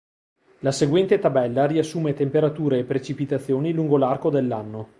La seguente tabella riassume temperature e precipitazioni lungo l'arco dell'anno.